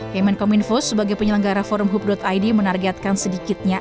kemenkominfo sebagai penyelenggara forum hub id menargetkan sedikitnya